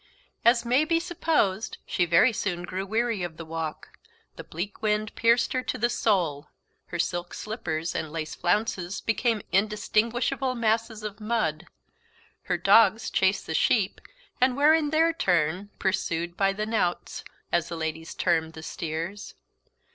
As may be supposed, she very soon grew weary of the walk. The bleak wind pierced her to the soul; her silk slippers and lace flounces became undistinguishable masses of mud; her dogs chased the sheep, and were, in their turn, pursued by the "nowts," as the ladies termed the steers.